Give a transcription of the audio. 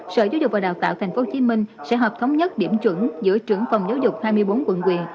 sở giáo dục và đào tạo tp hcm sẽ hợp thống nhất điểm chuẩn giữa trưởng phòng giáo dục hai mươi bốn quận quyện